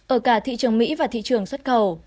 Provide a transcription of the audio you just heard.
ở cả thị trường mỹ và thị trường xuất khẩu